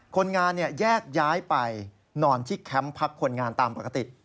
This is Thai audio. คนงานแยกย้ายไปนอนที่แคมป์พักคนงานตามปกติ